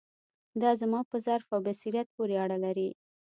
دا زما په ظرف او بصیرت پورې اړه لري.